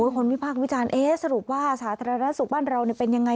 คนวิภาควิจารณ์สรุปว่าสาธารณสุขบ้านเราเป็นอย่างไร